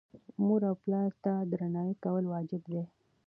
مور او پلار ته درناوی کول واجب دي.